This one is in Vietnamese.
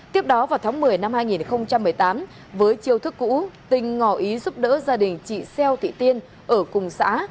tiếp đó vào tháng một mươi năm hai nghìn một mươi tám với chiêu thức cũ tinh ngò ý giúp đỡ gia đình chị xeo thị tiên ở cùng xã